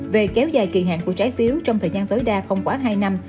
về kéo dài kỳ hạn của trái phiếu trong thời gian tối đa không quá hai năm